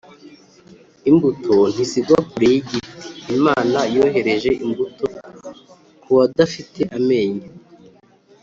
imbuto ntizigwa kure yigiti. imana yohereje imbuto kubadafite amenyo